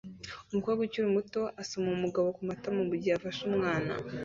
Umukobwa ukiri muto asoma umugabo ku matama mugihe afashe umwana